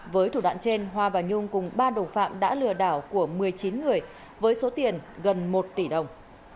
với thủ đoạn trên hoa và nhung cùng ba đồng phạm đã lừa đảo của một mươi chín người với số tiền gần một tỷ đồng